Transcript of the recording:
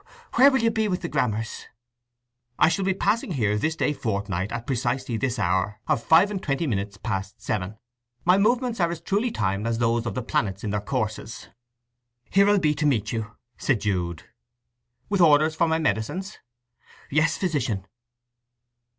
"Where will you be with the grammars?" "I shall be passing here this day fortnight at precisely this hour of five and twenty minutes past seven. My movements are as truly timed as those of the planets in their courses." "Here I'll be to meet you," said Jude. "With orders for my medicines?" "Yes, Physician."